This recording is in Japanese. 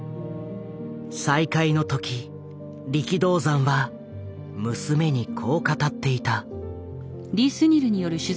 再会の時力道山は娘にこう語っていた。